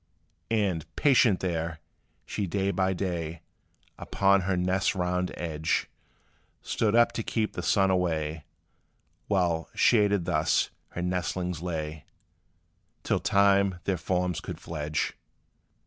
And, patient there, she day by day, Upon her nest's round edge, Stood up to keep the sun away, While, shaded thus, her nestlings lay Till time their forms could fledge.